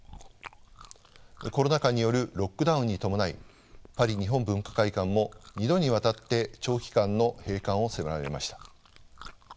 コロナ禍によるロックダウンに伴いパリ日本文化会館も２度にわたって長期間の閉館を迫られました。